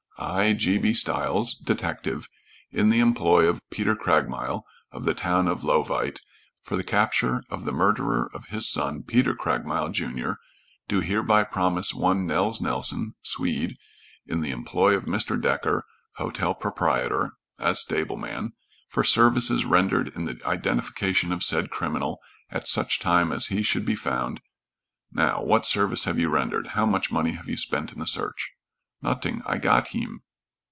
"I, G. B. Stiles, detective, in the employ of Peter Craigmile, of the town of Leauvite, for the capture of the murderer of his son, Peter Craigmile, Jr., do hereby promise one Nels Nelson, Swede, in the employ of Mr Decker, hotel proprietor, as stable man, for services rendered in the identification of said criminal at such time as he should be found, Now, what service have you rendered? How much money have you spent in the search?" "Not'ing. I got heem."